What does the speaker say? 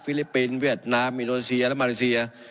ลิปปินส์เวียดนามอินโดนีเซียและมาเลเซีย